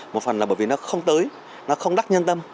một phần là bởi vì nó không tới nó không đắc nhân tâm